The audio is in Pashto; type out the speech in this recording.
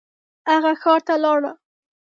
هغه ښار ته لاړ.